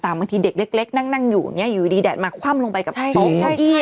ต่างบางทีเด็กเล็กนั่งอยู่อยู่ดีแดดมาคว่ำลงไปกับโคกกี้อย่างเนี่ย